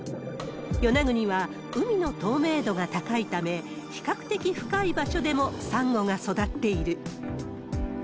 与那国は海の透明度が高いため、比較的深い場所でもサンゴが育っている。